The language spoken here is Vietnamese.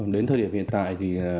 đến thời điểm hiện tại